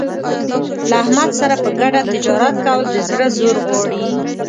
له احمد سره په ګډه تجارت کول د زړه زور غواړي.